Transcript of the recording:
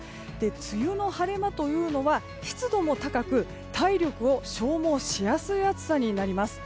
梅雨の晴れ間というのは湿度も高く体力を消耗しやすい暑さになります。